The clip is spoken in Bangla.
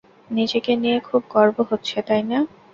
নিজেকে নিয়ে খুব গর্ব হচ্ছে, তাই না?